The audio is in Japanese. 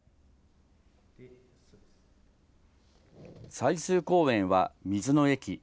最終公演は水の駅。